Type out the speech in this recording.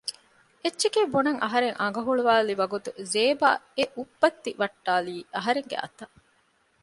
އެއްޗެކޭ ބުނަން އަހަރެން އަނގަ ހުޅުވއިލި ވަގުތު ޒޭބާ އެ އުއްބައްތި ވައްޓައިލީ އަހަރެންގެ އަތަށް